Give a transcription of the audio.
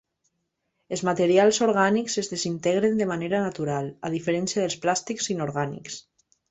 Els materials orgànics es desintegren de manera natural, a diferència dels plàstics inorgànics.